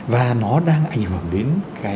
và nó đang ảnh hưởng đến